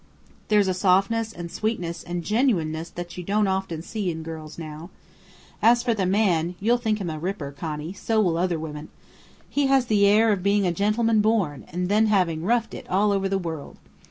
There's a softness and sweetness and genuineness that you don't often see in girls now. As for the man, you'll think him a ripper, Connie so will other women. Has the air of being a gentleman born, and then having roughed it all over the world.